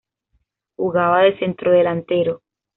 Jugaba de centrodelantero.